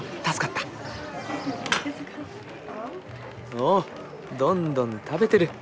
おぉどんどん食べてる。